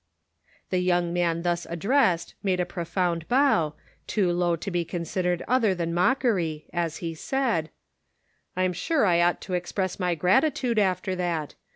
The young man thus addressed made a pro found bow, too low to be considered other than mockery, as he said : "I'm sure I ought to express my gratitude after that.